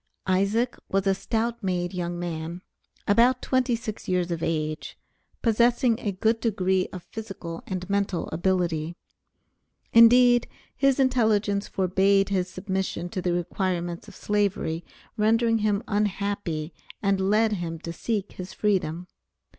Isaac was a stout made young man, about twenty six years of age, possessing a good degree of physical and mental ability. Indeed his intelligence forbade his submission to the requirements of Slavery, rendered him unhappy and led him to seek his freedom.